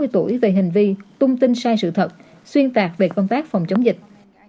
sáu mươi tuổi về hành vi tung tin sai sự thật xuyên tạc về công tác phòng chống dịch